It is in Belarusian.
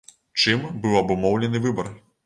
Чым быў абумоўлены выбар?